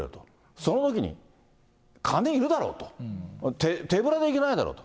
そのときに、金いるだろうと、手ぶらで行けないだろうと。